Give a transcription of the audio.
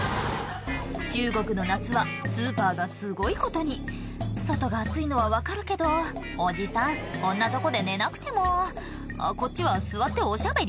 中国の夏はスーパーがすごいことに外が暑いのは分かるけどおじさんこんなとこで寝なくてもあっこっちは座っておしゃべり？